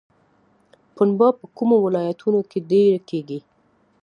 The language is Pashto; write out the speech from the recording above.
پنبه په کومو ولایتونو کې ډیره کیږي؟